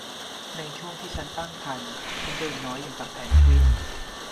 ในช่วงที่ฉันตั้งครรภ์ ฉันเดินน้อยอย่างกับเพนกวิน